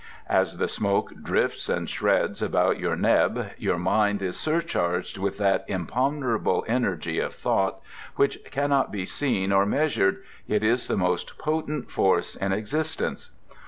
As the smoke drifts and shreds about your neb, your mind is surcharged with that imponderable energy of thought, which cannot be seen or measured, yet is the most potent force in existence.